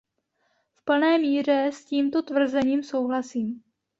V plné míře s tímto tvrzením souhlasím.